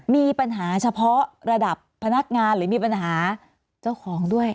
มีปัญหาเฉพาะระดับพนักงานหรือมีปัญหาเจ้าของด้วย